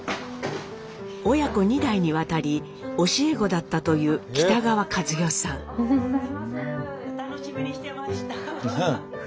親子２代にわたり教え子だったという楽しみにしてました。